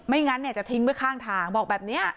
งั้นเนี่ยจะทิ้งไว้ข้างทางบอกแบบนี้